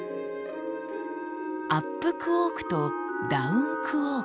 「アップクォーク」と「ダウンクォーク」。